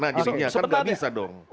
nah disini kan tidak bisa dong